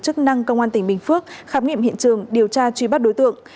chức năng công an tp biên hòa khám nghiệm hiện trường điều tra truy bắt đối tượng